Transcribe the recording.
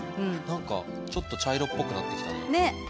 何かちょっと茶色っぽくなってきたね。ね。